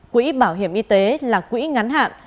quỹ bảo hiểm y tế là quỹ ngắn hạn